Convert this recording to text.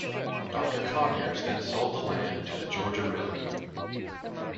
Doctor Conyers then sold the land to the Georgia Railroad.